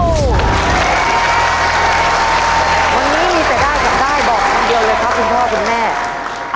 มันนี้มีเศรษฐาแข่งร่ายบอกงานเดียวเลยครับคุณพ่อคงแม่